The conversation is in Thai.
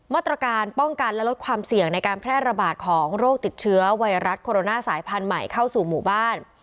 มาตรการป้องกันและลดความเสี่ยงในการแพร่ระบาดของโรคติดเชื้อไวรัสโคโรนาสายพันธุ์ใหม่เข้าสู่หมู่บ้าน